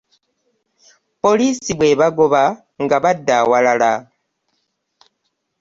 Poliisi bwebagoba nga badda awalala.